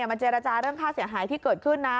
มาเจรจาเรื่องค่าเสียหายที่เกิดขึ้นนะ